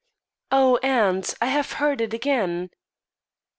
"Oh, aunt! I have heard it again."